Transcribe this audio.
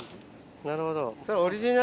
なるほど。